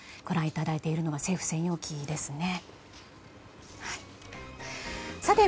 ご覧いただいているのは政府専用機です。